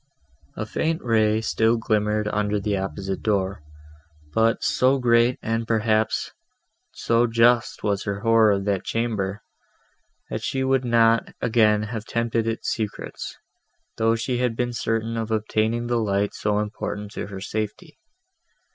A faint ray still glimmered under the opposite door, but so great, and, perhaps, so just was her horror of that chamber, that she would not again have tempted its secrets, though she had been certain of obtaining the light so important to her safety.